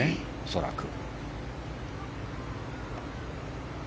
恐らく。